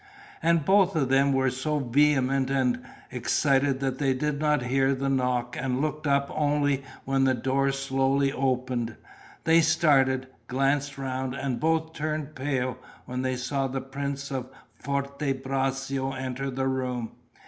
And both of them were so vehement and excited that they did not hear the knock and looked up only when the door slowly opened. They started, glanced round and both turned pale when they saw the Prince of Forte Braccio enter the room.